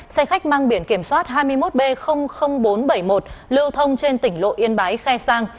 xe khách mang biển kiểm soát hai mươi một b bốn trăm bảy mươi một lưu thông trên tỉnh lộ yên bái khai sang